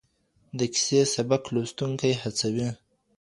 د کيسې سبک لوستونکي هڅوي.